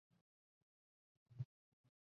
他是西班牙共产党和联合左翼的成员。